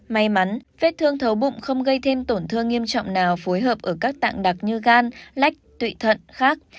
may mắn vết thương thấu bụng không gây thêm tổn thương nghiêm trọng nào phối hợp ở các tạng đặc như gan lách tụy thận khác